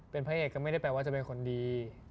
เป็นพระเอกก็ไม่ได้แปลว่าจะเป็นคนดี